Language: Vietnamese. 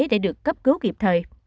để được cấp cứu kịp thời